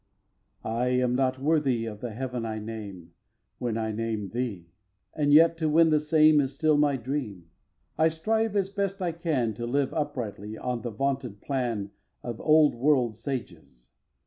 iii. I am not worthy of the Heaven I name When I name thee; and yet to win the same Is still my dream. I strive as best I can To live uprightly on the vaunted plan Of old world sages.